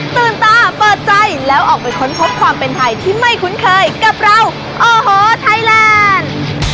ตื่นตาเปิดใจแล้วออกไปค้นพบความเป็นไทยที่ไม่คุ้นเคยกับเราโอ้โหไทยแลนด์